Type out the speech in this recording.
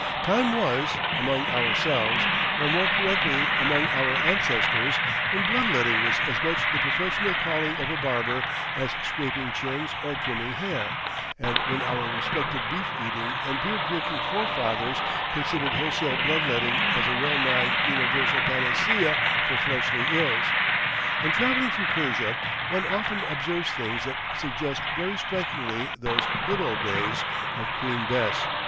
Time was, among ourselves, or more correctly, among our ancestors, when blood letting was as much the professional calling of a barber as scraping chins or trimming hair, and when our respected beef eating and beer drinking forefathers considered wholesale blood letting as a well nigh universal panacea for fleshly ills. In travelling through Persia, one often observes things that suggest very strikingly those "good old days" of Queen Bess.